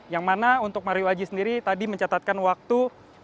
yang mana untuk mario aji sendiri tadi mencatatkan waktu